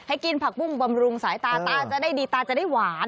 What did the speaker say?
กินผักปุ้งบำรุงสายตาตาจะได้ดีตาจะได้หวาน